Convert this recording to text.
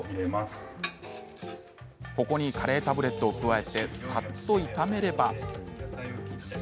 ここにカレータブレットを加えてさっと炒めれば。